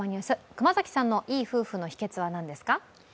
熊崎さんのいい夫婦の秘訣は何ですか？